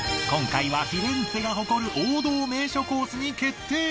今回はフィレンツェが誇る王道名所コースに決定！